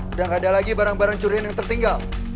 udah gak ada lagi barang barang curian yang tertinggal